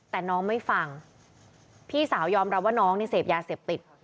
แต่น้องไม่ฟังพี่สาวยอมรับว่าน้องเนี่ยเสพยาเสพติด